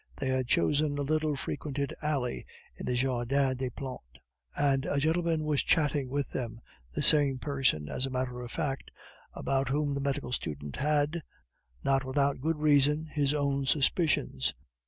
They had chosen a little frequented alley in the Jardin des Plantes, and a gentleman was chatting with them, the same person, as a matter of fact, about whom the medical student had, not without good reason, his own suspicions.